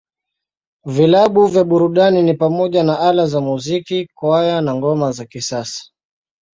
Vilabu vya burudani ni pamoja na Ala za Muziki, Kwaya, na Ngoma ya Kisasa.